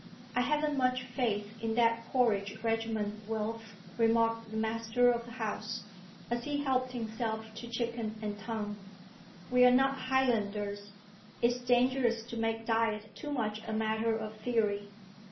'I haven't much faith in that porridge regimen, Wilf,' remarked the master of the house, as he helped himself to chicken and tongue. 'We are not Highlanders. It's dangerous to make diet too much a matter of theory.